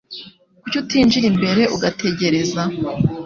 Kuki utinjira imbere ugategereza?